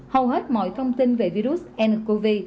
hầu hết mọi thông tin về virus ncov